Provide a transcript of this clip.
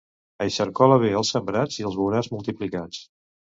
Eixarcola bé els sembrats i els veuràs multiplicats.